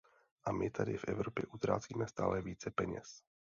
A my tady v Evropě utrácíme stále více peněz!